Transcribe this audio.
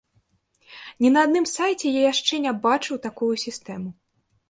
Ні на адным сайце я яшчэ не бачыў такую сістэму.